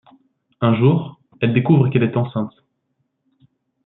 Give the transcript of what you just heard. Un jour, elle découvre qu'elle est enceinte.